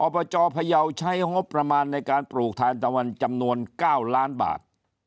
อบจพยาวใช้งบประมาณในการปลูกทานตะวันจำนวน๙ล้านบาท